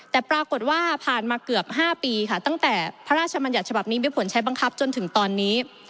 แต่ปรากฏว่าผ่านมาเกือบ๕ปีค่ะตั้งแต่พระราชมัญญัติฉบับนี้มีผลใช้บังคับจนถึงตอนนี้